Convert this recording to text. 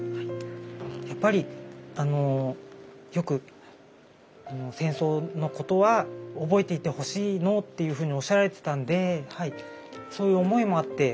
やっぱりよく戦争のことは覚えていてほしいのというふうにおっしゃられてたんでそういう思いもあって下さったんじゃないかなと思ってます。